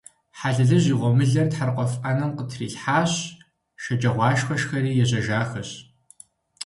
Хьэлэлыжь и гъуэмылэр тхьэрыкъуэф Ӏэнэм къытрилъхьащ, шэджагъуашхэ шхэри ежьэжахэщ .